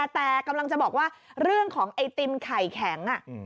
แต่กำลังจะบอกว่าเรื่องของไอติมไข่แข็ง